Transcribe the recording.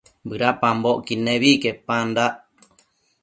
bëdapambocquid nebi quepandac